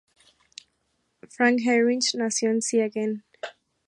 Frank Heinrich nació en Siegen.